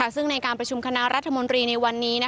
ซึ่งในการประชุมคณะรัฐมนตรีในวันนี้